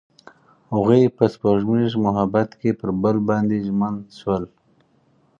هغوی په سپوږمیز محبت کې پر بل باندې ژمن شول.